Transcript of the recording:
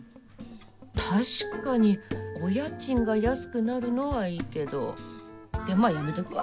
確かにお家賃が安くなるのはいいけどまぁ、やめとくわ。